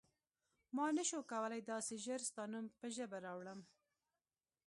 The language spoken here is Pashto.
ما نه شو کولای داسې ژر ستا نوم په ژبه راوړم.